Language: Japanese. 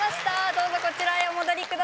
どうぞこちらへお戻り下さい。